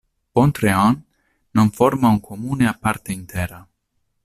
Pont-Réan non forma un comune a parte intera.